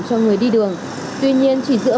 cho người đi đường tuy nhiên chỉ dựa